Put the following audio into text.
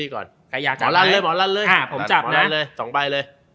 เคยมักว่าเอากลับเลย